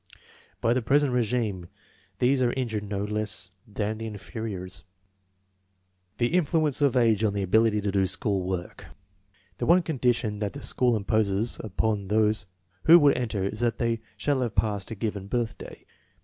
By the present regime these are injured no less than the inferiors. 48 INTELLIGENCE OF SCHOOL CHILDREN " The influence of age on the ability to do school work. The one condition that the school imposes upon those who would enter is that they shall have passed a given birthday.